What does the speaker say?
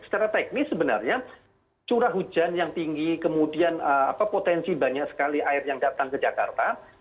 secara teknis sebenarnya curah hujan yang tinggi kemudian potensi banyak sekali air yang datang ke jakarta